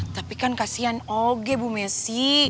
tapi kan kasihan oke bu messi